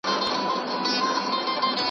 دا خیرنه ګودړۍ چي وینې دام دی .